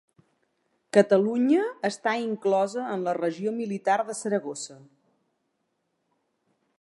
Catalunya està inclosa en la regió militar de Saragossa.